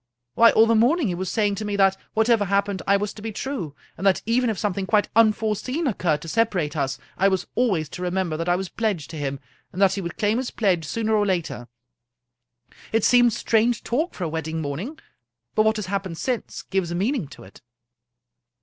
Why, all the morning he was saying to me that, what ever happened, I was to be true; and that even if something quite unforeseen occurred to separate us, I was always to remember that I was pledged to him, and that he would claim his pledge sooner or later. It seemed strange talk for a wedding morning, but what has happened since gives a meaning to it."